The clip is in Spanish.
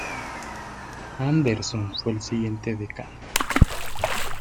Anderson fue el siguiente decano.